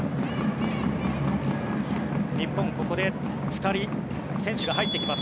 日本、ここで２人選手が入ってきます。